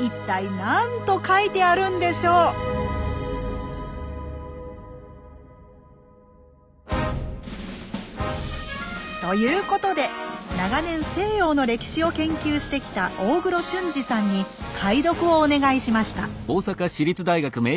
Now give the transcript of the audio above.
一体何と書いてあるんでしょう？ということで長年西洋の歴史を研究してきた大黒俊二さんに解読をお願いしました。